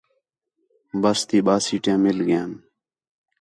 بس تی ٻَئہ سیٹیاں مِل ڳئین